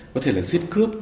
có thể là giết cướp